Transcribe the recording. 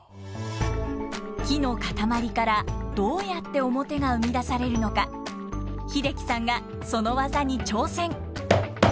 木の塊からどうやって面が生み出されるのか英樹さんがその技に挑戦！